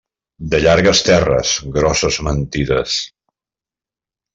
De llargues terres, grosses mentides.